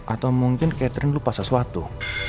atau mungkin catherine lupa sesuatu